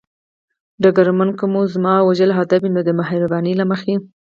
ډګرمن: که مو زما وژل هدف وي، د مهربانۍ له مخې.